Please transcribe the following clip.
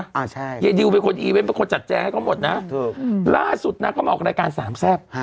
อ่าใช่ยายดิวเป็นคนอีเวนต์เป็นคนจัดแจงให้เขาหมดนะถูกล่าสุดนางก็มาออกรายการสามแซ่บฮะ